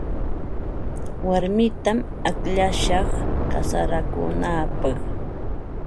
Warmitam akllashaq kasarakunaapaq.